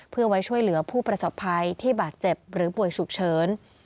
เพื่อไว้ช่วยเหลือผู้ประสบภัยที่บาดเจ็บหรือป่วยฉุกเฉิน